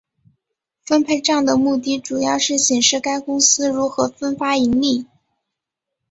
分配帐的目的主要是显示该公司如何分发盈利。